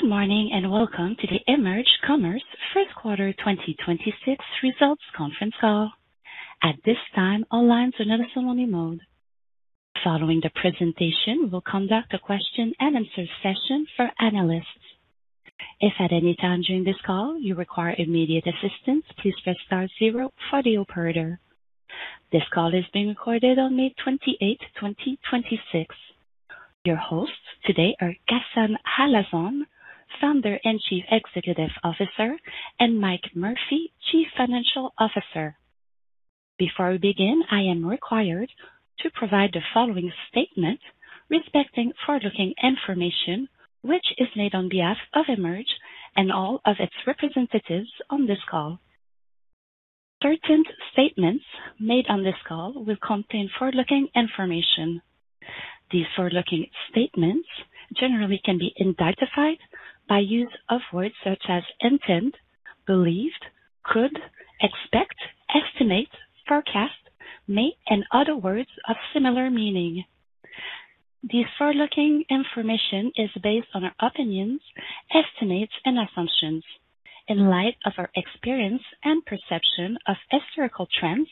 Good morning, and welcome to the EMERGE Commerce first quarter 2026 results conference call. At this time, all lines will be in listen-only mode. Following the presentation, we'll conduct a question and answer session for analysts. If at any time during this call you require immediate assistance, please press star zero for the operator. This call is being recorded on May 28th, 2026. Your hosts today are Ghassan Halazon, Founder and Chief Executive Officer, and Mike Murphy, Chief Financial Officer. Before we begin, I am required to provide the following statement respecting forward-looking information which is made on behalf of EMERGE and all of its representatives on this call. Certain statements made on this call will contain forward-looking information. These forward-looking statements generally can be identified by use of words such as "intend," "believe," "could," "expect," "estimate," "forecast," "may," and other words of similar meaning. This forward-looking information is based on our opinions, estimates and assumptions in light of our experience and perception of historical trends,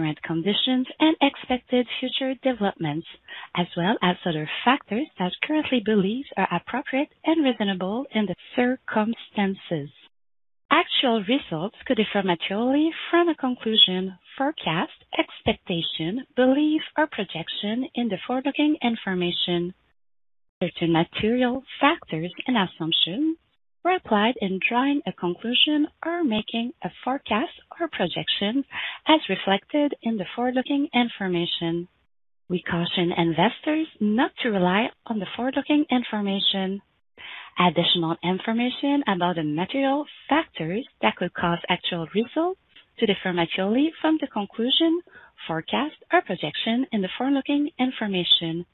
current conditions, and expected future developments, as well as other factors that we currently believe are appropriate and reasonable in the circumstances. Actual results could differ materially from a conclusion, forecast, expectation, belief, or projection in the forward-looking information. Certain material factors and assumptions were applied in drawing a conclusion or making a forecast or projection as reflected in the forward-looking information. We caution investors not to rely on the forward-looking information. Additional information about the material factors that could cause actual results to differ materially from the conclusion, forecast, or projection in the forward-looking information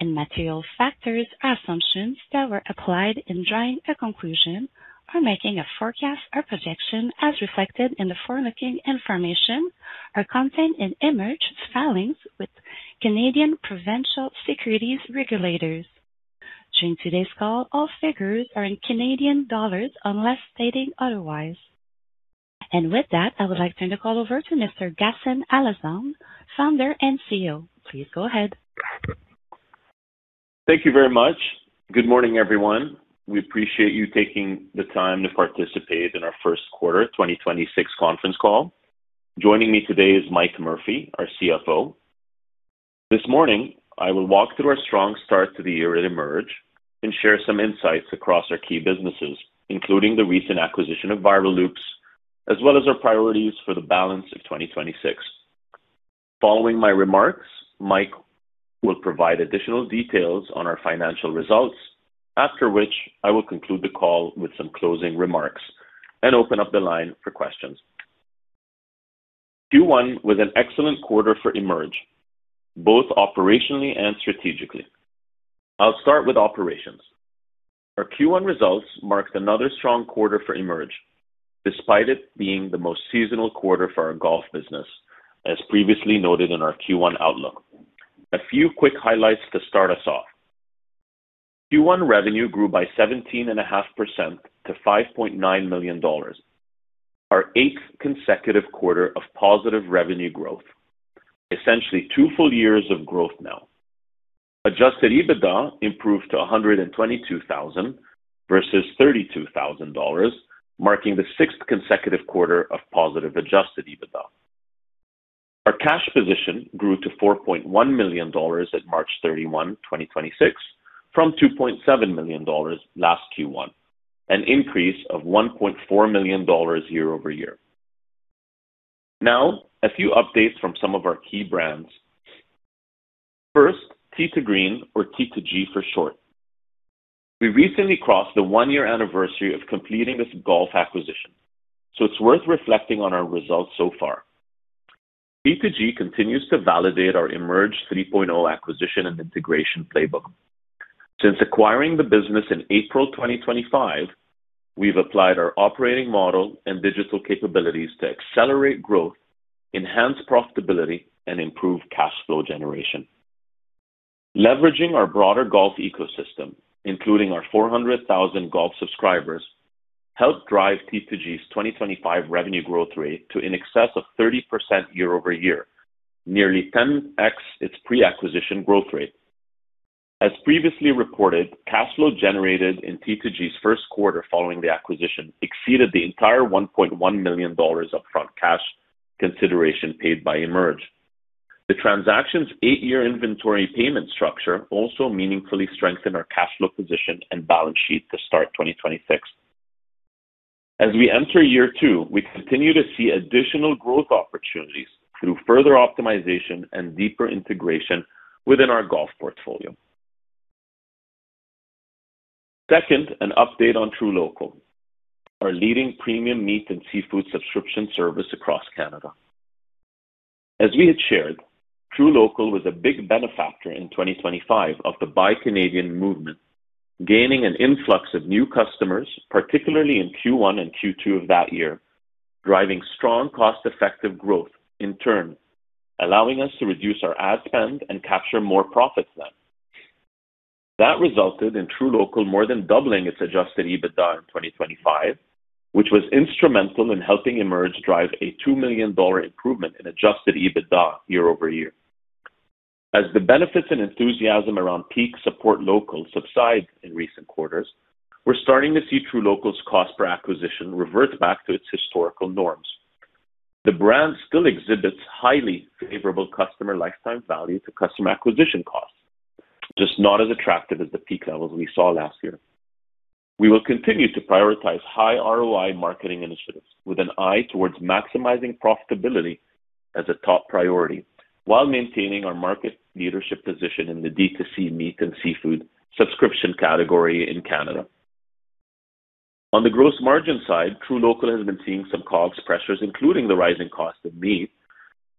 and material factors or assumptions that were applied in drawing a conclusion or making a forecast or projection as reflected in the forward-looking information are contained in EMERGE filings with Canadian provincial securities regulators. During today's call, all figures are in Canadian dollars unless stated otherwise. With that, I would like to turn the call over to Mr. Ghassan Halazon, founder and CEO. Please go ahead. Thank you very much. Good morning, everyone. We appreciate you taking the time to participate in our first quarter 2026 conference call. Joining me today is Michael Murphy, our CFO. This morning, I will walk through our strong start to the year at EMERGE and share some insights across our key businesses, including the recent acquisition of Viral Loops, as well as our priorities for the balance of 2026. Following my remarks, Michael will provide additional details on our financial results, after which I will conclude the call with some closing remarks and open up the line for questions. Q1 was an excellent quarter for EMERGE, both operationally and strategically. I'll start with operations. Our Q1 results marked another strong quarter for EMERGE, despite it being the most seasonal quarter for our golf business, as previously noted in our Q1 outlook. A few quick highlights to start us off. Q1 revenue grew by 17.5% to 5.9 million dollars, our eighth consecutive quarter of positive revenue growth. Essentially two full years of growth now. Adjusted EBITDA improved to 122,000 versus 32,000 dollars, marking the sixth consecutive quarter of positive Adjusted EBITDA. Our cash position grew to 4.1 million dollars at March 31, 2026, from 2.7 million dollars last Q1, an increase of 1.4 million dollars year-over-year. A few updates from some of our key brands. First, Tee 2 Green or T2G for short. We recently crossed the one-year anniversary of completing this golf acquisition, so it's worth reflecting on our results so far. T2G continues to validate our EMERGE 3.0 acquisition and integration playbook. Since acquiring the business in April 2025, we've applied our operating model and digital capabilities to accelerate growth, enhance profitability, and improve cash flow generation. Leveraging our broader golf ecosystem, including our 400,000 golf subscribers, helped drive T2G's 2025 revenue growth rate to in excess of 30% year-over-year, nearly 10x its pre-acquisition growth rate. As previously reported, cash flow generated in T2G's first quarter following the acquisition exceeded the entire 1.1 million dollars upfront cash consideration paid by EMERGE. The transaction's eight-year inventory payment structure also meaningfully strengthened our cash flow position and balance sheet to start 2026. As we enter year two, we continue to see additional growth opportunities through further optimization and deeper integration within our golf portfolio. Second, an update on truLOCAL, our leading premium meat and seafood subscription service across Canada. As we had shared, truLOCAL was a big benefactor in 2025 of the Buy Canadian movement, gaining an influx of new customers, particularly in Q1 and Q2 of that year. Driving strong cost-effective growth, in turn allowing us to reduce our ad spend and capture more profits then. That resulted in truLOCAL more than doubling its Adjusted EBITDA in 2025, which was instrumental in helping EMERGE drive a 2 million dollar improvement in Adjusted EBITDA year-over-year. As the benefits and enthusiasm around peak Support Local subside in recent quarters, we're starting to see truLOCAL's cost per acquisition revert back to its historical norms. The brand still exhibits highly favorable customer lifetime value to customer acquisition costs, just not as attractive as the peak levels we saw last year. We will continue to prioritize high ROI marketing initiatives, with an eye towards maximizing profitability as a top priority, while maintaining our market leadership position in the D2C meat and seafood subscription category in Canada. On the gross margin side, truLOCAL has been seeing some COGS pressures, including the rising cost of meat,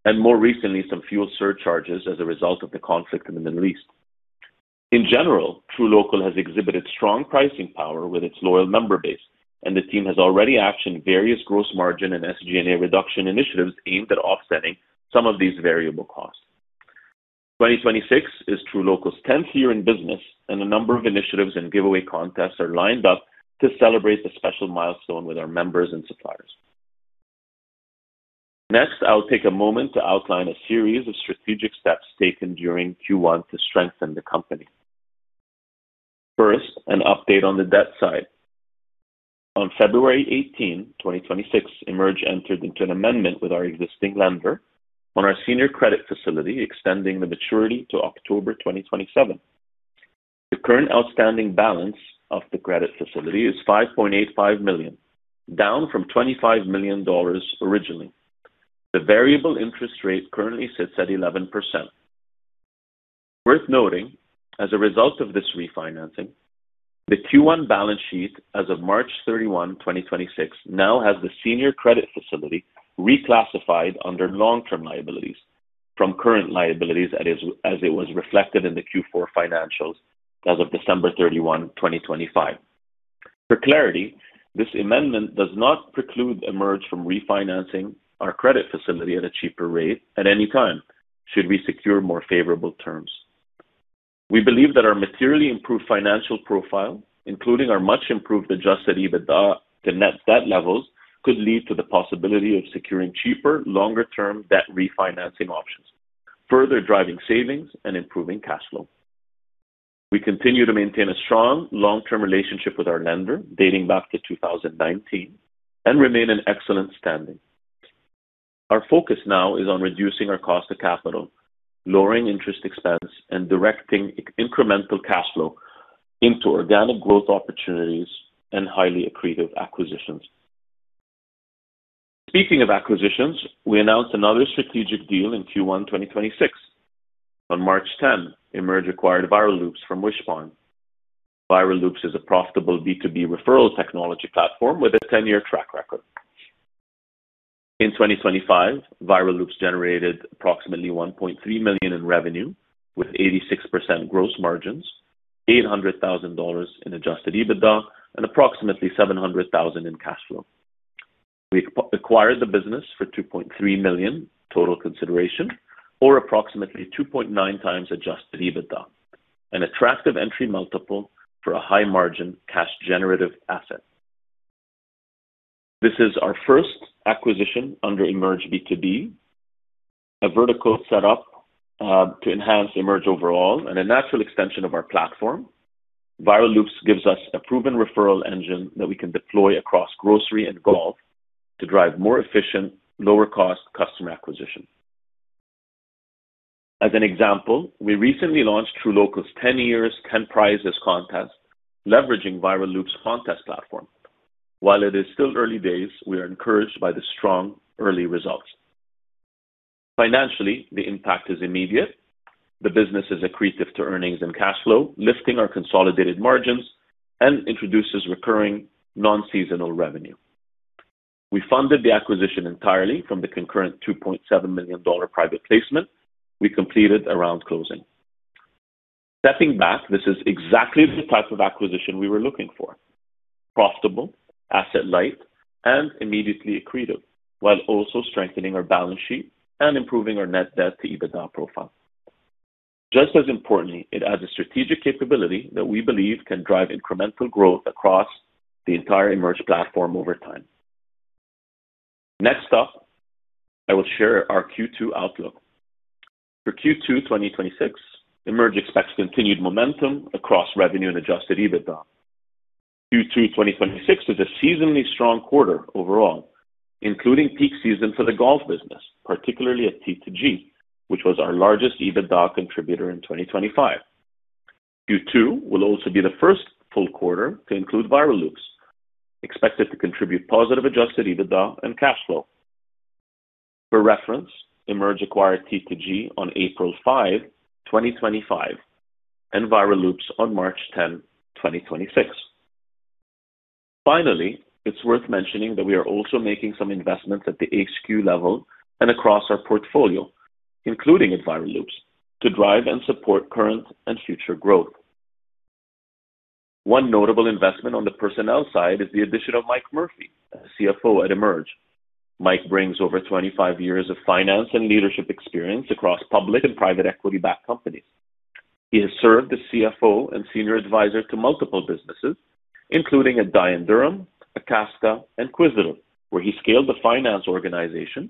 and more recently, some fuel surcharges as a result of the conflict in the Middle East. In general, truLOCAL has exhibited strong pricing power with its loyal member base, and the team has already actioned various gross margin and SG&A reduction initiatives aimed at offsetting some of these variable costs. 2026 is truLOCAL's 10th year in business, and a number of initiatives and giveaway contests are lined up to celebrate the special milestone with our members and suppliers. Next, I will take a moment to outline a series of strategic steps taken during Q1 to strengthen the company. First, an update on the debt side. On February 18, 2026, EMERGE entered into an amendment with our existing lender on our senior credit facility, extending the maturity to October 2027. The current outstanding balance of the credit facility is 5.85 million, down from 25 million dollars originally. The variable interest rate currently sits at 11%. Worth noting, as a result of this refinancing, the Q1 balance sheet as of March 31, 2026, now has the senior credit facility reclassified under long-term liabilities from current liabilities as it was reflected in the Q4 financials as of December 31, 2025. For clarity, this amendment does not preclude EMERGE from refinancing our credit facility at a cheaper rate at any time, should we secure more favorable terms. We believe that our materially improved financial profile, including our much-improved Adjusted EBITDA to net debt levels, could lead to the possibility of securing cheaper, longer-term debt refinancing options, further driving savings and improving cash flow. We continue to maintain a strong long-term relationship with our lender, dating back to 2019, and remain in excellent standing. Our focus now is on reducing our cost of capital, lowering interest expense, and directing incremental cash flow into organic growth opportunities and highly accretive acquisitions. Speaking of acquisitions, we announced another strategic deal in Q1 2026. On March 10, EMERGE acquired Viral Loops from Wishpond. Viral Loops is a profitable B2B referral technology platform with a 10-year track record. In 2025, Viral Loops generated approximately 1.3 million in revenue, with 86% gross margins, 800,000 dollars in Adjusted EBITDA, and approximately 700,000 in cash flow. We acquired the business for 2.3 million total consideration, or approximately 2.9x Adjusted EBITDA, an attractive entry multiple for a high-margin, cash-generative asset. This is our first acquisition under EMERGE B2B, a vertical set up to enhance EMERGE overall and a natural extension of our platform. Viral Loops gives us a proven referral engine that we can deploy across grocery and golf to drive more efficient, lower-cost customer acquisition. As an example, we recently launched truLOCAL's 10 years, 10 Prizes contest, leveraging Viral Loops' contest platform. While it is still early days, we are encouraged by the strong early results. Financially, the impact is immediate. The business is accretive to earnings and cash flow, lifting our consolidated margins, and introduces recurring non-seasonal revenue. We funded the acquisition entirely from the concurrent 2.7 million dollar private placement we completed around closing. Stepping back, this is exactly the type of acquisition we were looking for: profitable, asset-light, and immediately accretive, while also strengthening our balance sheet and improving our net debt-to-EBITDA profile. Just as importantly, it adds a strategic capability that we believe can drive incremental growth across the entire EMERGE platform over time. Next up, I will share our Q2 outlook. For Q2 2026, EMERGE expects continued momentum across revenue and Adjusted EBITDA. Q2 2026 is a seasonally strong quarter overall, including peak season for the golf business, particularly at Tee 2 Green, which was our largest EBITDA contributor in 2025. Q2 will also be the first full quarter to include Viral Loops, expected to contribute positive Adjusted EBITDA and cash flow. For reference, EMERGE acquired Tee 2 Green on April 5, 2025, and Viral Loops on March 10, 2026. Finally, it's worth mentioning that we are also making some investments at the HQ level and across our portfolio, including at Viral Loops, to drive and support current and future growth. One notable investment on the personnel side is the addition of Mike Murphy, CFO at EMERGE. Mike brings over 25 years of finance and leadership experience across public and private equity-backed companies. He has served as CFO and senior advisor to multiple businesses, including at Dye & Durham, Akaska, and Quizzle, where he scaled the finance organization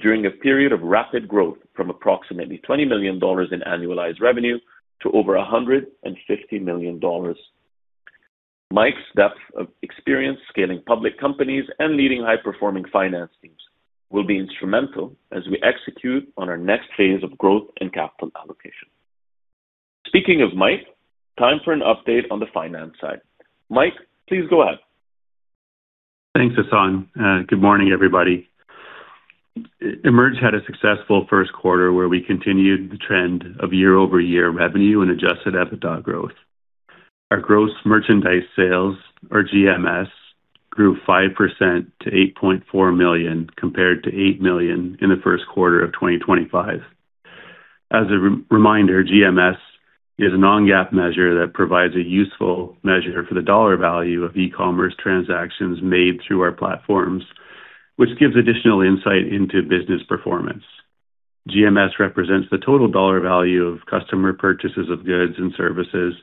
during a period of rapid growth from approximately 20 million dollars in annualized revenue to over 150 million dollars. Mike's depth of experience scaling public companies and leading high-performing finance teams will be instrumental as we execute on our next phase of growth and capital allocation. Speaking of Mike, time for an update on the finance side. Mike, please go ahead. Thanks, Ghassan. Good morning, everybody. EMERGE had a successful first quarter where we continued the trend of year-over-year revenue and Adjusted EBITDA growth. Our gross merchandise sales, or GMS, grew 5% to 8.4 million, compared to 8 million in the first quarter of 2025. As a reminder, GMS is a non-GAAP measure that provides a useful measure for the dollar value of e-commerce transactions made through our platforms, which gives additional insight into business performance. GMS represents the total dollar value of customer purchases of goods and services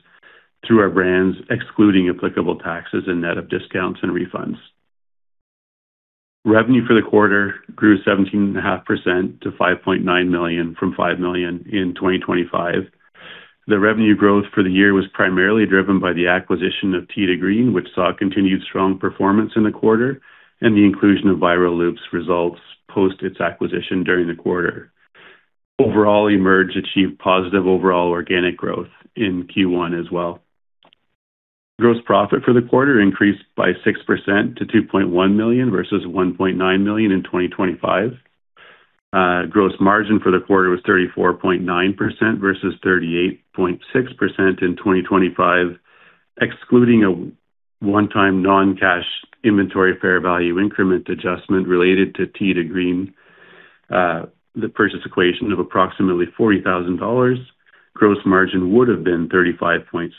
through our brands, excluding applicable taxes and net of discounts and refunds. Revenue for the quarter grew 17.5% to 5.9 million from 5 million in 2025. The revenue growth for the year was primarily driven by the acquisition of Tee 2 Green, which saw continued strong performance in the quarter and the inclusion of Viral Loops results post its acquisition during the quarter. Overall, EMERGE achieved positive overall organic growth in Q1 as well. Gross profit for the quarter increased by 6% to 2.1 million versus 1.9 million in 2025. Gross margin for the quarter was 34.9% versus 38.6% in 2025, excluding a one-time non-cash inventory fair value increment adjustment related to Tee 2 Green. The purchase equation of approximately 40,000 dollars, gross margin would have been 35.6%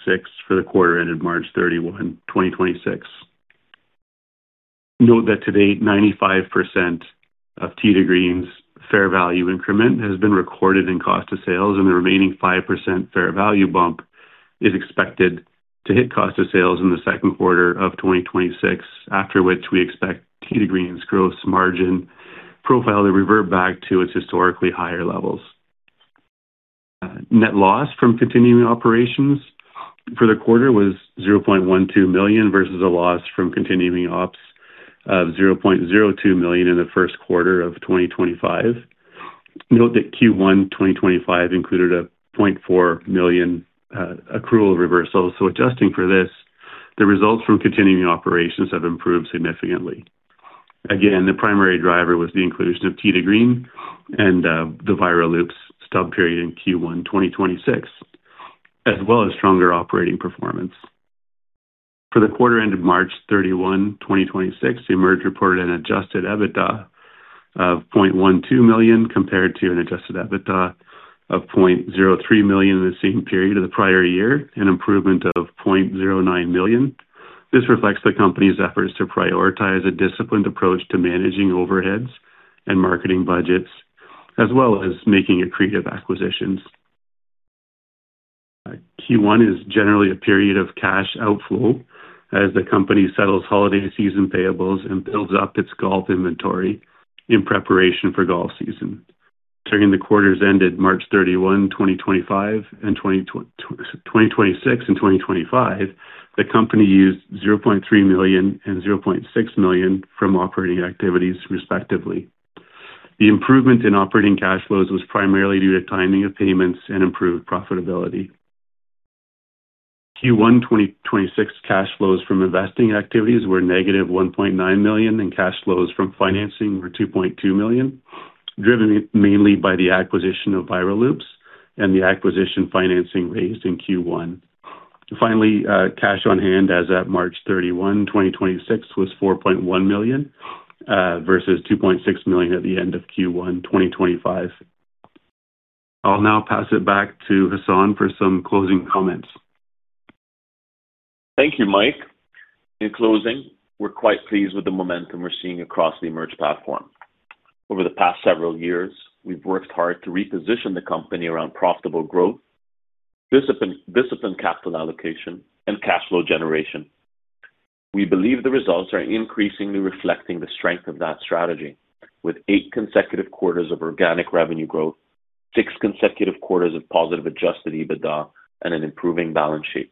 for the quarter ended March 31, 2026. Note that to date, 95% of Tee 2 Green's fair value increment has been recorded in cost of sales, and the remaining 5% fair value bump is expected to hit cost of sales in the second quarter of 2026, after which we expect Tee 2 Green's gross margin profile to revert back to its historically higher levels. Net loss from continuing operations for the quarter was 0.12 million versus a loss from continuing ops of 0.02 million in the first quarter of 2025. Note that Q1 2025 included a 0.4 million accrual reversal. Adjusting for this, the results from continuing operations have improved significantly. Again, the primary driver was the inclusion of Tee 2 Green and the Viral Loops stub period in Q1 2026, as well as stronger operating performance. For the quarter ended March 31, 2026, EMERGE reported an Adjusted EBITDA of 0.12 million compared to an Adjusted EBITDA of 0.03 million in the same period of the prior year, an improvement of 0.09 million. This reflects the company's efforts to prioritize a disciplined approach to managing overheads and marketing budgets, as well as making accretive acquisitions. Q1 is generally a period of cash outflow as the company settles holiday season payables and builds up its golf inventory in preparation for golf season. During the quarters ended March 31, 2026 and 2025, the company used 0.3 million and 0.6 million from operating activities, respectively. The improvement in operating cash flows was primarily due to timing of payments and improved profitability. Q1 2026 cash flows from investing activities were -1.9 million, and cash flows from financing were 2.2 million, driven mainly by the acquisition of Viral Loops and the acquisition financing raised in Q1. Finally, cash on hand as at March 31, 2026, was 4.1 million, versus 2.6 million at the end of Q1 2025. I'll now pass it back to Ghassan for some closing comments. Thank you, Mike. In closing, we're quite pleased with the momentum we're seeing across the EMERGE platform. Over the past several years, we've worked hard to reposition the company around profitable growth, disciplined capital allocation, and cash flow generation. We believe the results are increasingly reflecting the strength of that strategy with eight consecutive quarters of organic revenue growth, six consecutive quarters of positive Adjusted EBITDA, and an improving balance sheet.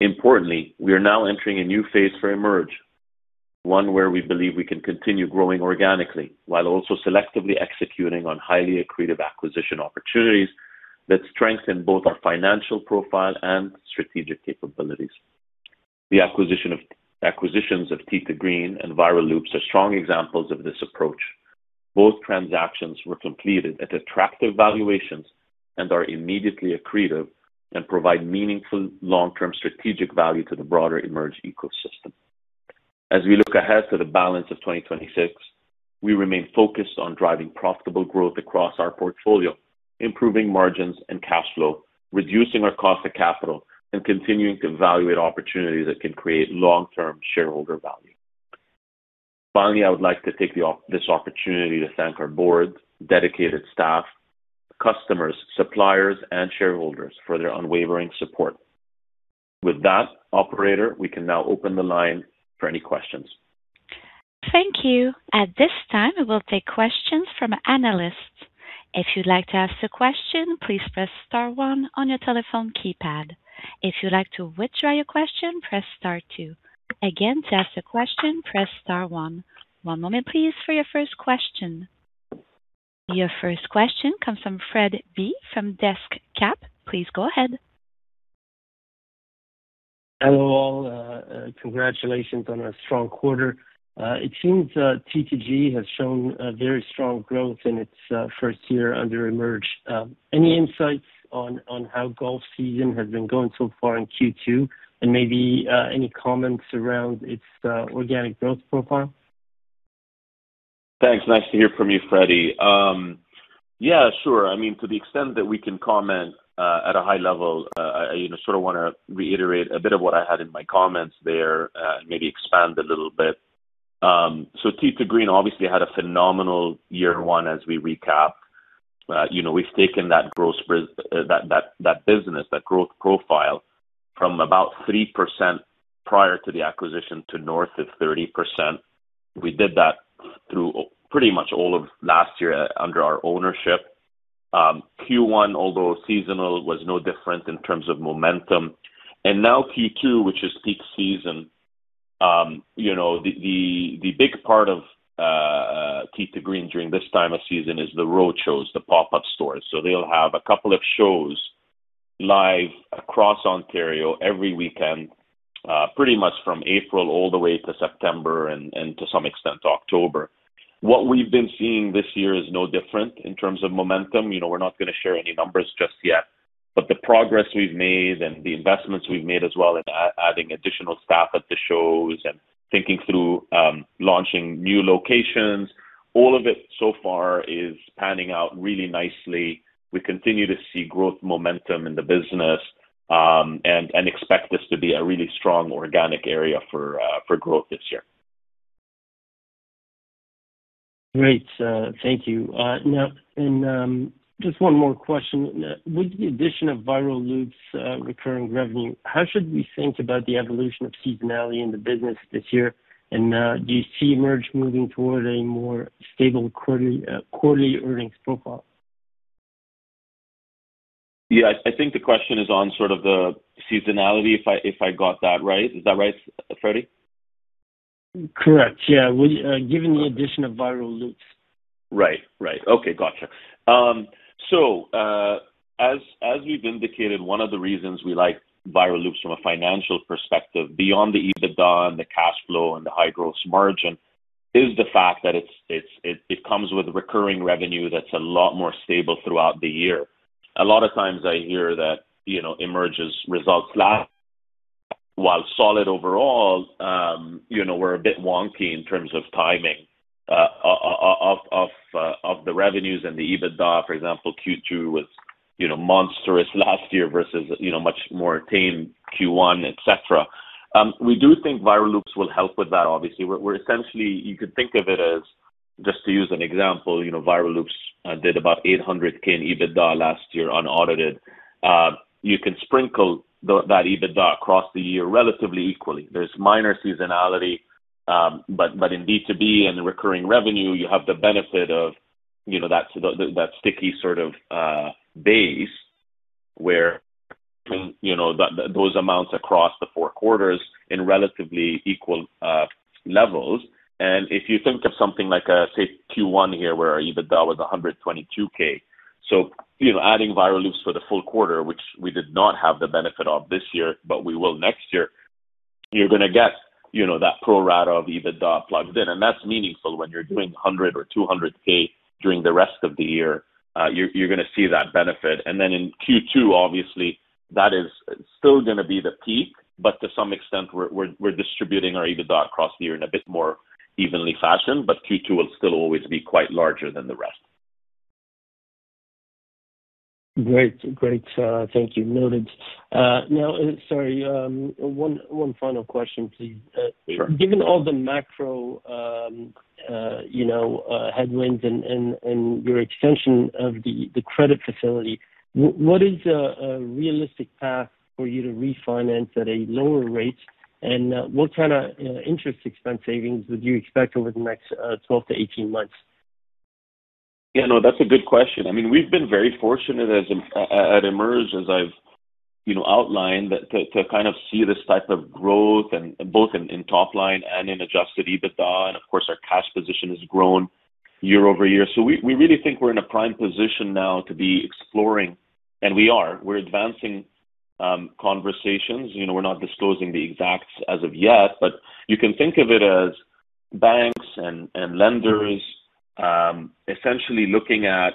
Importantly, we are now entering a new phase for EMERGE, one where we believe we can continue growing organically while also selectively executing on highly accretive acquisition opportunities that strengthen both our financial profile and strategic capabilities. The acquisitions of Tee 2 Green and Viral Loops are strong examples of this approach. Both transactions were completed at attractive valuations and are immediately accretive and provide meaningful long-term strategic value to the broader EMERGE ecosystem. As we look ahead to the balance of 2026, we remain focused on driving profitable growth across our portfolio, improving margins and cash flow, reducing our cost of capital, and continuing to evaluate opportunities that can create long-term shareholder value. Finally, I would like to take this opportunity to thank our board, dedicated staff, customers, suppliers, and shareholders for their unwavering support. With that, operator, we can now open the line for any questions. Thank you. At this time, we will take questions from analysts. Your first question comes from Fred B from DeshCap. Please go ahead. Hello, all. Congratulations on a strong quarter. It seems T2G has shown very strong growth in its first year under EMERGE. Any insights on how golf season has been going so far in Q2 and maybe any comments around its organic growth profile? Thanks. Nice to hear from you, Freddy. Yeah, sure. To the extent that we can comment at a high level, I sort of want to reiterate a bit of what I had in my comments there, and maybe expand a little bit. Tee 2 Green obviously had a phenomenal year one as we recap. We've taken that growth profile from about 3% prior to the acquisition to north of 30%. We did that through pretty much all of last year under our ownership. Q1, although seasonal, was no different in terms of momentum. Now Q2, which is peak season. The big part of Tee 2 Green during this time of season is the road shows, the pop-up stores. They'll have a couple of shows live across Ontario every weekend, pretty much from April all the way to September and to some extent, October. What we've been seeing this year is no different in terms of momentum. We're not going to share any numbers just yet. The progress we've made and the investments we've made as well in adding additional staff at the shows and thinking through launching new locations, all of it so far is panning out really nicely. We continue to see growth momentum in the business. Expect this to be a really strong organic area for growth this year. Great. Thank you. Now, just one more question. With the addition of Viral Loops' recurring revenue, how should we think about the evolution of seasonality in the business this year? Do you see EMERGE moving toward a more stable quarterly earnings profile? Yeah, I think the question is on sort of the seasonality, if I got that right. Is that right, Freddy? Correct. Yeah. Given the addition of Viral Loops. Right. Okay. Gotcha. As we've indicated, one of the reasons we like Viral Loops from a financial perspective, beyond the EBITDA and the cash flow and the high gross margin, is the fact that it comes with recurring revenue that's a lot more stable throughout the year. A lot of times I hear that EMERGE's results while solid overall, were a bit wonky in terms of timing of the revenues and the EBITDA. For example, Q2 was monstrous last year versus much more tame Q1, et cetera. We do think Viral Loops will help with that, obviously. We're essentially, you could think of it as, just to use an example, Viral Loops did about 800 thousand in EBITDA last year, unaudited. You can sprinkle that EBITDA across the year relatively equally. There's minor seasonality, but in B2B and the recurring revenue, you have the benefit of that sticky sort of base where those amounts across the four quarters in relatively equal levels. If you think of something like, say, Q1 here, where our EBITDA was 122 thousand. Adding Viral Loops for the full quarter, which we did not have the benefit of this year, but we will next year, you're going to get that pro rata of EBITDA plugged in. That's meaningful when you're doing 100 thousand or 200 thousand during the rest of the year. You're going to see that benefit. In Q2, obviously, that is still going to be the peak, but to some extent, we're distributing our EBITDA across the year in a bit more evenly fashion, but Q2 will still always be quite larger than the rest. Great. Thank you. Noted. Now, sorry, one final question, please. Sure. Given all the macro headwinds and your extension of the credit facility, what is a realistic path for you to refinance at a lower rate? What kind of interest expense savings would you expect over the next 12-18 months? Yeah, no, that's a good question. We've been very fortunate at EMERGE, as I've outlined, to kind of see this type of growth, both in top line and in Adjusted EBITDA, of course, our cash position has grown year-over-year. We really think we're in a prime position now to be exploring. We are. We're advancing conversations. We're not disclosing the exacts as of yet, but you can think of it as banks and lenders essentially looking at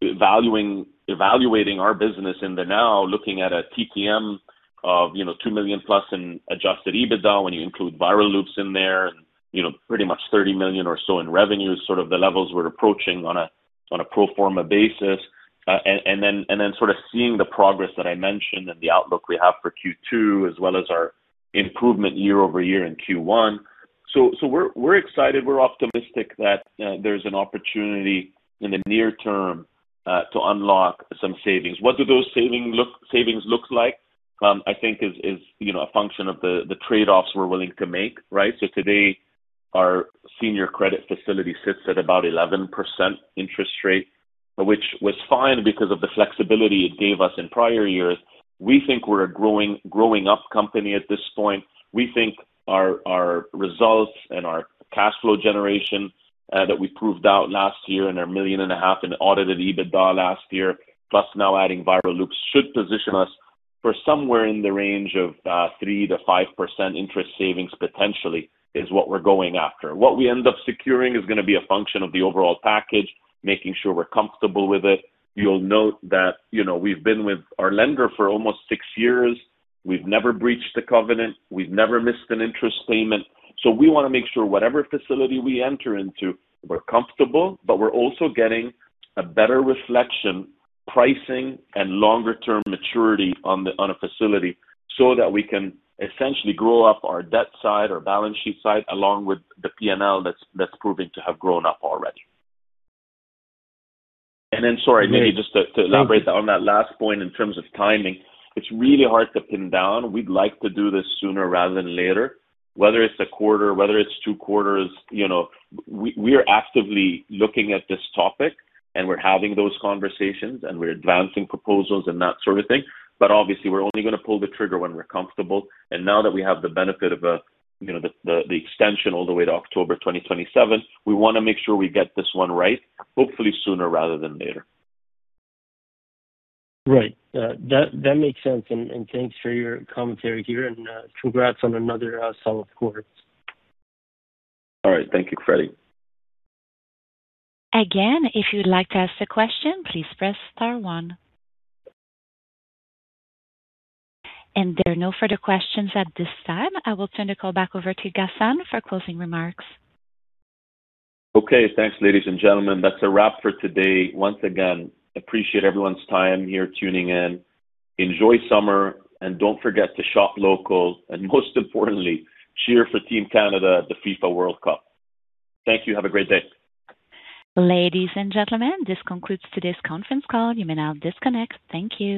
evaluating our business in the now, looking at a TPM of 2 million plus in Adjusted EBITDA when you include Viral Loops in there and pretty much 30 million or so in revenue, sort of the levels we're approaching on a pro forma basis. Seeing the progress that I mentioned and the outlook we have for Q2 as well as our improvement year-over-year in Q1. We're excited, we're optimistic that there's an opportunity in the near term to unlock some savings. What do those savings look like? I think is a function of the trade-offs we're willing to make. Right? Today, our senior credit facility sits at about 11% interest rate, which was fine because of the flexibility it gave us in prior years. We think we're a growing up company at this point. We think our results and our cash flow generation that we proved out last year and our million and a half in audited EBITDA last year, plus now adding Viral Loops, should position us for somewhere in the range of 3%-5% interest savings potentially, is what we're going after. What we end up securing is going to be a function of the overall package, making sure we're comfortable with it. You'll note that we've been with our lender for almost six years. We've never breached a covenant. We've never missed an interest payment. We want to make sure whatever facility we enter into, we're comfortable, but we're also getting a better reflection, pricing, and longer-term maturity on a facility so that we can essentially grow up our debt side, our balance sheet side, along with the P&L that's proving to have grown up already. Sorry, maybe just to elaborate on that last point in terms of timing, it's really hard to pin down. We'd like to do this sooner rather than later, whether it's a quarter, whether it's two quarters. We are actively looking at this topic and we're having those conversations and we're advancing proposals and that sort of thing. Obviously, we're only going to pull the trigger when we're comfortable. Now that we have the benefit of the extension all the way to October 2027, we want to make sure we get this one right, hopefully sooner rather than later. Right. That makes sense, and thanks for your commentary here, and congrats on another solid quarter. All right. Thank you, Freddy. If you'd like to ask a question, please press star one. There are no further questions at this time. I will turn the call back over to Ghassan for closing remarks. Okay. Thanks, ladies and gentlemen. That's a wrap for today. Once again, appreciate everyone's time here tuning in. Enjoy summer, and don't forget to shop local, and most importantly, cheer for Team Canada at the FIFA World Cup. Thank you. Have a great day. Ladies and gentlemen, this concludes today's conference call. You may now disconnect. Thank you.